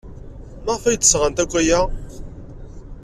Maɣef ay d-sɣant akk aya?